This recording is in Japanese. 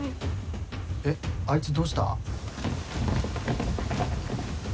えっあいつどうした？